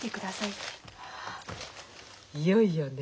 はあいよいよね。